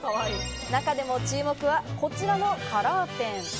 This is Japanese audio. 中でも注目はこちらのカラーペン。